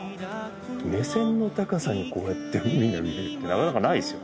目線の高さにこうやって海が見えるってなかなかないですよ。